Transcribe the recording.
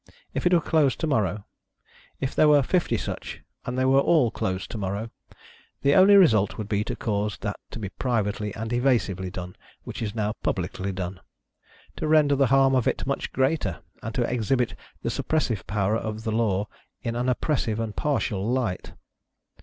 If it were closed to morrow — if there were fifty such, and they were all closed to morrow — the only result would be to cause that to be privately and evasively done which is now pub licly done; to render the harm of it much greater, and to exhibit the suppressive power of the law in an oppressive and partial light.